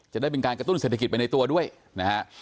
จะได้เป็นการกระตุ้นเศรษฐกิจไปในตัวด้วยนะฮะ